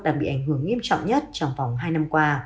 đang bị ảnh hưởng nghiêm trọng nhất trong vòng hai năm qua